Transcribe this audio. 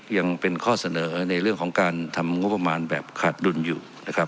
ยังเป็นข้อเสนอในเรื่องของการทำงบประมาณแบบขาดดุลอยู่นะครับ